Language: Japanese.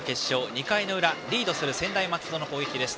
２回の裏、リードする専大松戸の攻撃です。